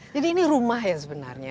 jadi ini rumah ya sebenarnya